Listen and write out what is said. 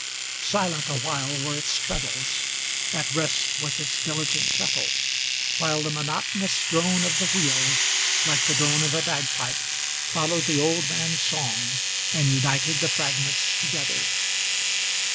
Silent awhile were its treadles, at rest was its diligent shuttle, While the monotonous drone of the wheel, like the drone of a bagpipe, Followed the old man's song, and united the fragments together.